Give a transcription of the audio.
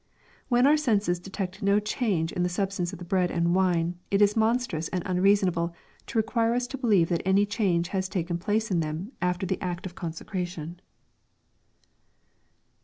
When our senses detect no change in the sub stance of the bread and wine, it is monstrous and unreasonable to require us to believe that any change has taken place in them alW the act of consecration.